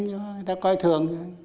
người ta coi thường